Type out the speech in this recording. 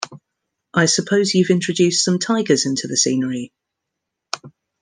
I suppose you've introduced some tigers into the scenery?